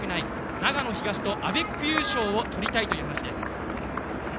長野東とアベック優勝をとりたいという話です。